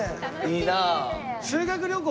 いいなあ。